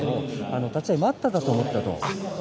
立ち合い待ったかと思った。